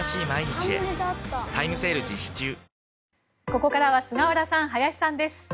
ここからは菅原さん、林さんです。